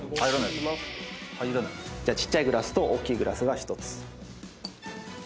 ちっちゃいグラスとおっきいグラスが１つ。